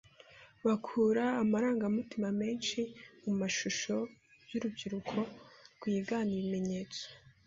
bakura amarangamutima menshi mu mashusho y’urubyiruko rwigana ibimenyetso